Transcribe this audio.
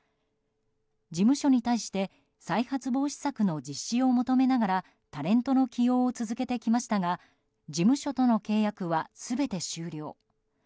事務所に対して再発防止策の実施を求めながらタレントの起用を続けてきましたが事務所との契約は全て終了。